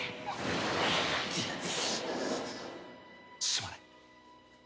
すまない。